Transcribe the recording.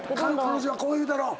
彼女はこう言うだろう。